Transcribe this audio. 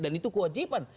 dan itu kewajiban